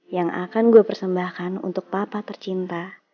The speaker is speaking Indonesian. yang akan gue persembahkan untuk papa tercinta